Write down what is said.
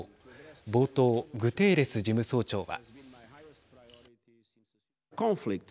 冒頭、グテーレス事務総長は。